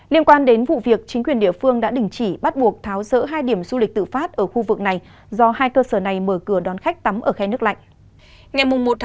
liên quan đến vụ việc chính quyền địa phương đã đình chỉ bắt buộc tháo rỡ hai điểm du lịch tự phát ở khu vực này do hai cơ sở này mở cửa đón khách tắm ở khe nước lạnh